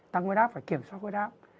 tăng quay đáp phải kiểm soát quay đáp